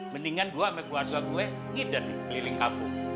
mendingan gua sama keluarga gue nginderni keliling kamu